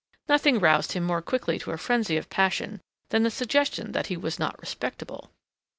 Nothing roused him more quickly to a frenzy of passion than the suggestion that he was not respectable.